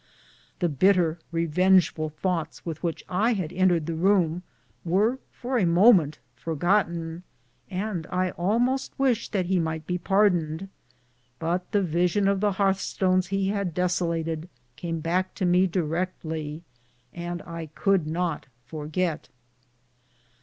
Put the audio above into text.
The bitter, revengeful thoughts with which I had entered the room were for a moment forgotten, and I almost wished that lie might be pardoned. The vision of the hearth stones he had desolated came back to me directly, and I could not forget.